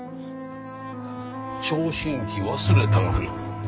聴診器忘れたがな。